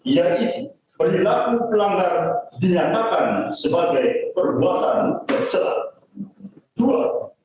yaitu perilaku pelanggar dinyatakan sebagai perbuatan kecelakaan